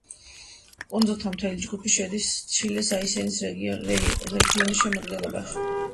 კუნძულთა მთელი ჯგუფი შედის ჩილეს აისენის რეგიონის შემადგენლობაში.